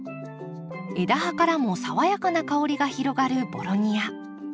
枝葉からも爽やかな香りが広がるボロニア。